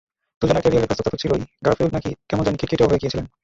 দুজনের ক্যারিয়ারের ব্যস্ততা তো ছিলই, গারফিল্ড নাকি কেমন জানি খিটখিটেও হয়ে গিয়েছিলেন।